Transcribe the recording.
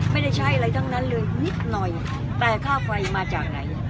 ไม่ได้ใช้อะไรทั้งนั้นเลยนิดหน่อยแต่ค่าไฟมาจากไหน